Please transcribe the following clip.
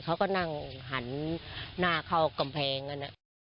เขาก็นั่งหันหน้าเข้ากำแพงกันนะ